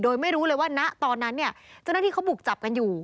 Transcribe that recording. โดยไม่รู้เลยว่าณตอนนั้นเนี่ยเจ้าหน้าที่เขาบุกจับกันอยู่